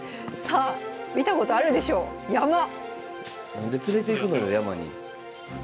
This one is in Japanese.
何で連れていくのよ山に。